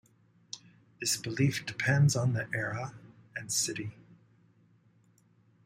This belief depends on the era and city.